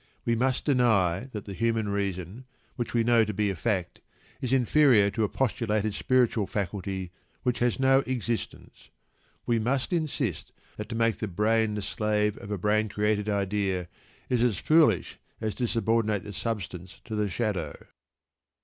We must deny that the human reason, which we know to be a fact, is inferior to a postulated "spiritual" faculty which has no existence. We must insist that to make the brain the slave of a brain created idea is as foolish as to subordinate the substance to the shadow.